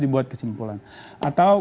buat kesimpulan atau